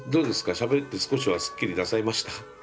しゃべって少しはスッキリなさいました？